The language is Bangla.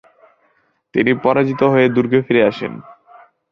তিনি পরাজিত হয়ে দুর্গে ফিরে আসেন।